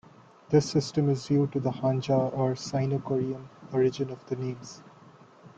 This system is due to the hanja or Sino-Korean origin of the names.